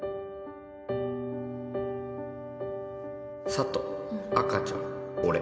佐都赤ちゃん俺